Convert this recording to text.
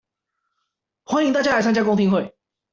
歡迎大家來參加公聽會